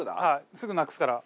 すぐなくすから。